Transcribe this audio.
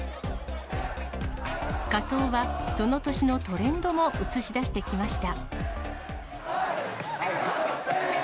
仮装はその年のトレンドも映し出してきました。